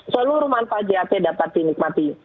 seluruh manfaat jht dapat dinikmati